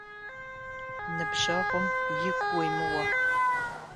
Ныбжъэгъум игу уемыуэ.